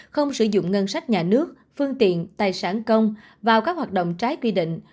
không sử dụng ngân sách nhà nước phương tiện tài sản công vào các hoạt động trái quy định